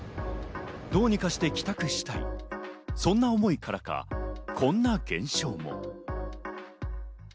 どうにかして帰宅したい、そんな思いからか、こんな現象も。